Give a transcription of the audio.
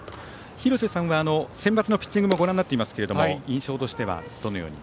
廣瀬さんはセンバツのピッチングもご覧になっていますが印象としてはどのように？